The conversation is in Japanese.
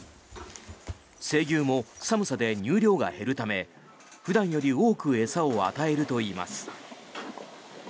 成牛も寒さで乳量が減るため普段より多く餌を与えるといいます。